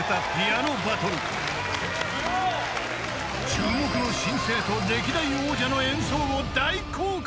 ［注目の新星と歴代王者の演奏を大公開！］